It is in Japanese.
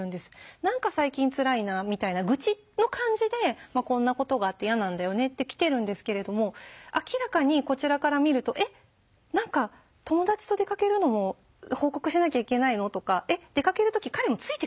「何か最近つらいな」みたいな愚痴の感じでこんなことがあって嫌なんだよねって来てるんですけれども明らかにこちらから見ると「えっ何か友達と出かけるのも報告しなきゃいけないの？」とか「えっ出かける時彼もついてくるの？」